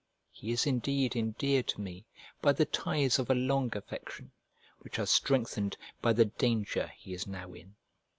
He is indeed endeared to me by the ties of a long affection, which are strengthened by the danger he is now in.